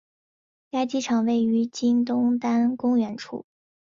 该机场位于今东单公园处。